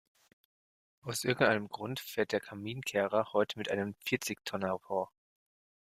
Aus irgendeinem Grund fährt der Kaminkehrer heute mit einem Vierzigtonner vor.